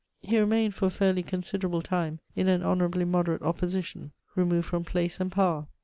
He remained for a fairly considerable time in an honourably moderate opposition, removed from place and power.